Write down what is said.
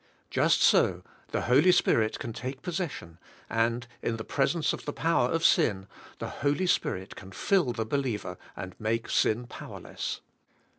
Just so the Holy Spirit can take possession, and in presence of the power of sin the Holy Spirit can fill the believer and make sin powerless.